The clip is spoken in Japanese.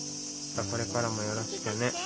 これからもよろしくね。